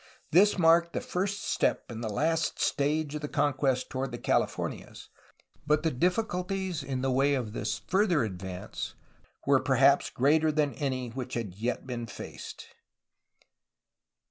This marked the first step in the last stage of the conquest toward the Californias, but the diffi culties in the way of this further advance were perhaps greater than any which had yet been faced.